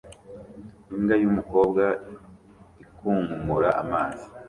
Imbwa yumukobwa ikunkumura amazi